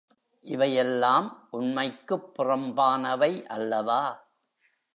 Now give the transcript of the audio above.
இவையெல்லாம் உண்மைக்குப் புறம்பானவை அல்லவா?